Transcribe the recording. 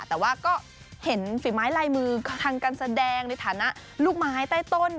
แต่ว่าก็เห็นฝีไม้ลายมือทางการแสดงในฐานะลูกไม้ใต้ต้น